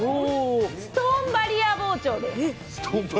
ストーンバリア包丁です。